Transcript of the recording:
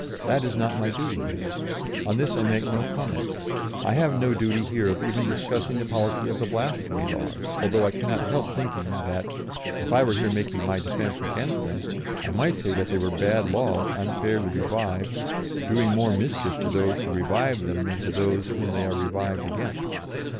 That is not my duty here. On this I make no comment. I have no duty here of even discussing the policy of the blasphemy laws, although I cannot help thinking that, if I were here making my defence against them, I might say that they were bad laws unfairly revived, doing more mischief to those who revive them than to those whom they are revived against.